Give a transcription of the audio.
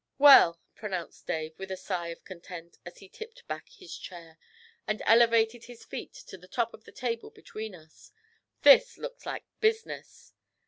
'Well,' pronounced Dave, with a sigh of content, as he tipped back his chair, and elevated his feet to the top of the table between us. 'This looks like business!